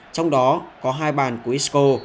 trong đó có hai bàn của isco